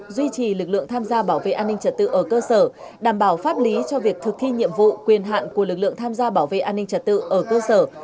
duy trì lực lượng tham gia bảo vệ an ninh trật tự ở cơ sở đảm bảo pháp lý cho việc thực thi nhiệm vụ quyền hạn của lực lượng tham gia bảo vệ an ninh trật tự ở cơ sở